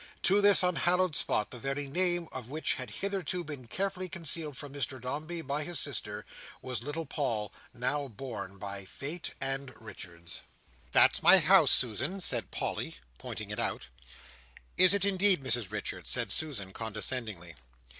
To this unhallowed spot, the very name of which had hitherto been carefully concealed from Mr Dombey by his sister, was little Paul now borne by Fate and Richards "That's my house, Susan," said Polly, pointing it out. "Is it, indeed, Mrs Richards?" said Susan, condescendingly.